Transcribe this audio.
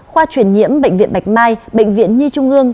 khoa chuyển nhiễm bệnh viện bạch mai bệnh viện nhi trung ương